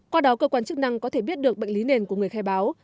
qua đó cơ quan chức năng có thể biết được bệnh lý nền của người khai báo